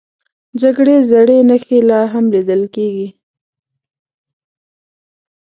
د جګړې زړې نښې لا هم لیدل کېږي.